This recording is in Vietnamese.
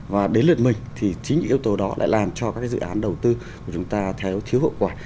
và đến lượt mình thì chính những yếu tố đó lại làm cho các dự án đầu tư của chúng ta thiếu hậu quả